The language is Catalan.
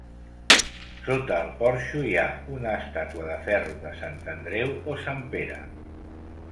Sota el porxo hi ha una estàtua de ferro de Sant Andreu o Sant Pere.